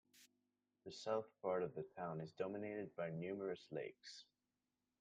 The south part of the town is dominated by numerous lakes.